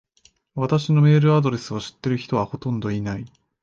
私のメールアドレスを知ってる人はほとんどいない。